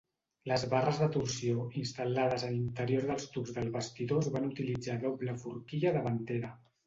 Les barres de torsió instal·lades a l'interior dels tubs del bastidor es van utilitzar a la doble forquilla davantera.